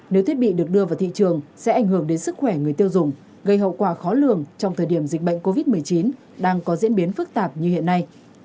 nếu thiết bị được đưa vào thị trường sẽ ảnh hưởng đến sức khỏe người tiêu dùng gây hậu quả khó lường trong thời điểm dịch bệnh covid một mươi chín đang có diễn biến phức tạp như hiện nay